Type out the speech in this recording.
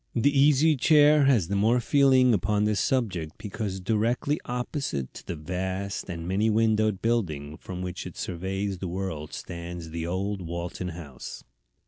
The Easy Chair has the more feeling upon this subject because directly opposite to the vast and many windowed building from which it surveys the world stands the old Walton House.